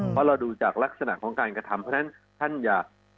เพราะเราดูจากลักษณะของการกระทำเพราะฉะนั้นท่านอยาก